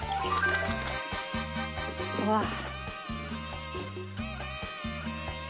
うわっ！